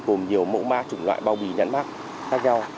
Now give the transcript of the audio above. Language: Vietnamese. gồm nhiều mẫu ma chủng loại bao bì nhãn mát khác nhau